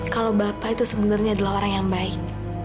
kalau bapak itu sebenarnya adalah orang yang baik